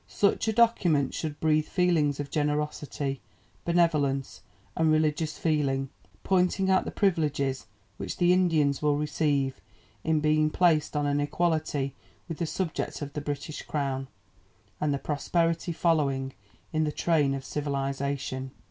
Such a document should breathe feelings of generosity, benevolence, and religious feeling, pointing out the privileges which the Indians will receive in being placed on an equality with the subjects of the British Crown, and the prosperity following in the train of civilization."